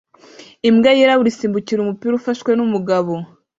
Imbwa yirabura isimbukira kumupira ufashwe numugabo